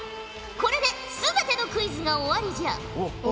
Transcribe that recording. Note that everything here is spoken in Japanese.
これで全てのクイズが終わりじゃ。